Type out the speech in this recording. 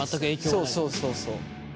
そうそうそうそう。